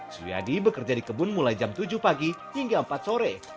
suyadi bekerja di kebun mulai jam tujuh pagi hingga empat sore